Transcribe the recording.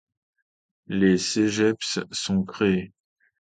Les Cégeps sont créés.